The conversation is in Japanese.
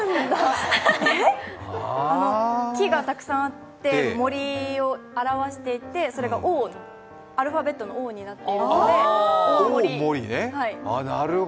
木がたくさんあって森を表していてそれがアルファベットのＯになっているので大森。